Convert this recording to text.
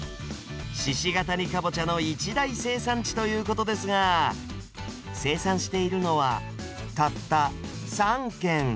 鹿ケ谷かぼちゃの一大生産地ということですが生産しているのはたった３軒。